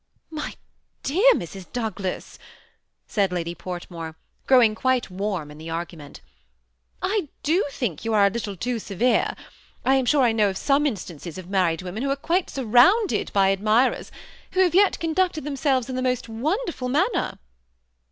" My dear Mrs. Douglas," said Lady Portmore, growing quite warm in the argument, ''I do think you are a little too severe. I am sure I know some instances of married women, who are quite surrounded by admirers, who yet have conducted themselves in the most wonderful manner."